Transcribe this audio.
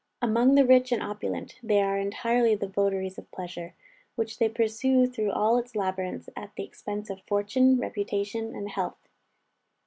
Among the rich and opulent, they are entirely the votaries of pleasure, which they pursue through all its labyrinths, at the expense of fortune, reputation, and health.